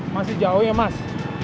masih jauh ya mas